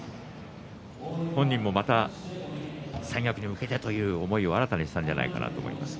本人もまた三役に向けてという思いを新たにしたのではないかと思います。